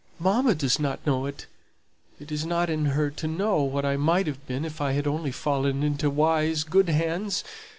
Mamma does not know it; it is not in her to know what I might have been if I had only fallen into wise, good hands.